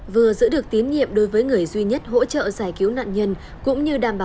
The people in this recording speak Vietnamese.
vừa giữ được tín nhiệm đối với người duy nhất hỗ trợ giải cứu nạn nhân